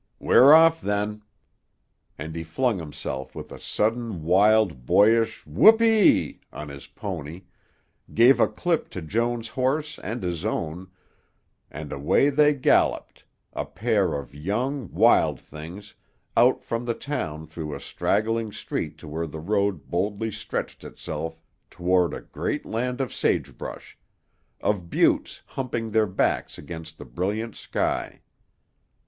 "We're off, then!" And he flung himself with a sudden wild, boyish "Whoopee!" on his pony, gave a clip to Joan's horse and his own, and away they galloped, a pair of young, wild things, out from the town through a straggling street to where the road boldly stretched itself toward a great land of sagebrush, of buttes humping their backs against the brilliant sky.